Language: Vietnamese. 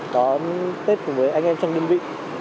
có tết cùng với anh em trong đơn vị